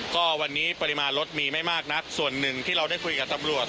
ก็วันนี้ปริมาณรถมีไม่มากนักส่วนหนึ่งที่เราได้คุยกับตำรวจ